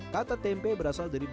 kata tempe berasal dari